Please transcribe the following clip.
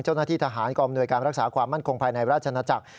เจ้าหน้าที่ทหารกองอำนวยการรักษาความมั่นคงภายในราชนาจักร